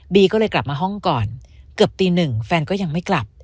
ก็เลยกลับมาห้องก่อนเกือบตีหนึ่งแฟนก็ยังไม่กลับ